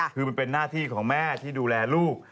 คือมันเป็นหน้าที่ของแม่ที่ดูแลลูก